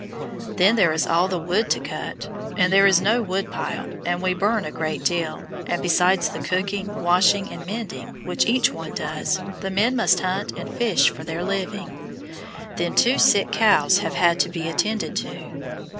Then there is all the wood to cut, as there is no wood pile, and we burn a great deal, and besides the cooking, washing, and mending, which each one does, the men must hunt and fish for their living. Then two sick cows have had to be attended to.